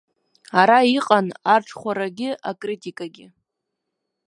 Ара иҟан арҽхәарагьы акритикагьы.